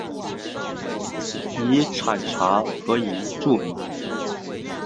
以产茶和银著名。